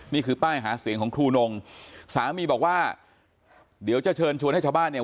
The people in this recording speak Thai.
นี่คือป้ายหาเสียงของครูนงสามีบอกว่าเดี๋ยวจะเชิญชวนให้ชาวบ้านเนี่ย